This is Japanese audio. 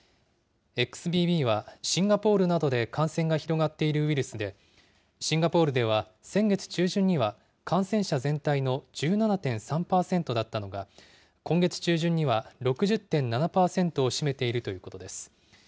ＸＢＢはシンガポールなどで感染が広がっているウイルスで、シンガポールでは、先月中旬には感染者全体の１７．３％だったのが、今月中旬には６０．７％を占めているということです。